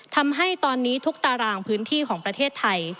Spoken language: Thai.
ทำให้ตอนนี้ทุกตารางพื้นที่ของประเทศไทย